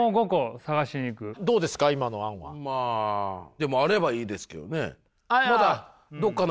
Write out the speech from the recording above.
でもあればいいですけどね。